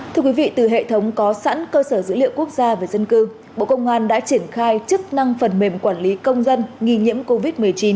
thưa quý vị từ hệ thống có sẵn cơ sở dữ liệu quốc gia về dân cư bộ công an đã triển khai chức năng phần mềm quản lý công dân nghi nhiễm covid một mươi chín